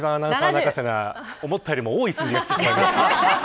思ったよりも多い数字がきてしまいました。